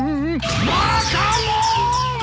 バカモーン！！